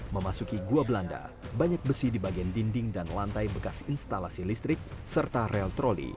memasuki gua belanda banyak besi di bagian dinding dan lantai bekas instalasi listrik serta rel troli